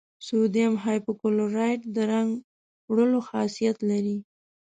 سوډیم هایپو کلورایټ د رنګ وړلو خاصیت لري.